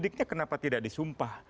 kenapa tidak disumpah